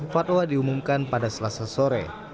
fatwa diumumkan pada selasa sore